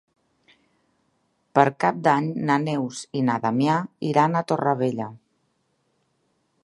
Per Cap d'Any na Neus i na Damià iran a Torrevella.